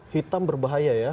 hitam berbahaya ya